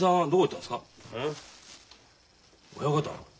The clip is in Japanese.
親方。